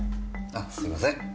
あすいません。